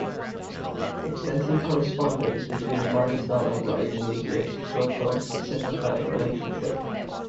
Extensive correspondence between Barnsdall and Wright in these years shows a close, sympathetic relationship.